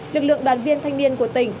lực lượng đoàn viên thanh niên của tỉnh